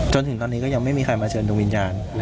จนถึงตอนนี้ก็ยังไม่มีใครมาเชิญดวงวิญญาณ